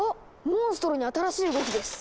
モンストロに新しい動きです。